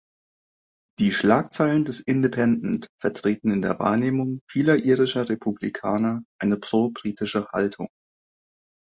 Die Schlagzeilen des „Independent“ vertreten in der Wahrnehmung vieler irischer Republikaner eine probritische Haltung.